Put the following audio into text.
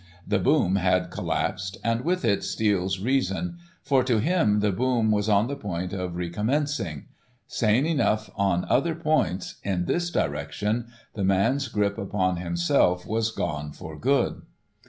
The "boom" had collapsed, and with it Steele's reason, for to him the boom was on the point of recommencing; sane enough on other points, in this direction the man's grip upon himself was gone for good.